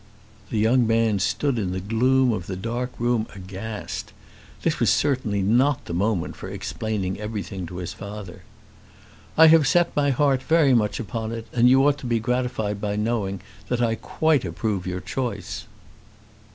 The young man stood in the gloom of the dark room aghast. This was certainly not the moment for explaining everything to his father. "I have set my heart very much upon it, and you ought to be gratified by knowing that I quite approve your choice."